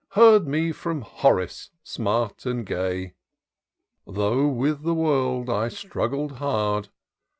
Heard me ftom Horace smart and gay. " Though with the world I struggled hard.